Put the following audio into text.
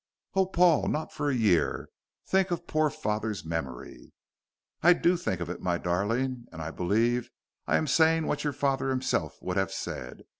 "Oh, Paul, not for a year! Think of poor father's memory." "I do think of it, my darling, and I believe I am saying what your father himself would have said.